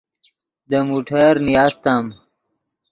دے موٹر نیاستم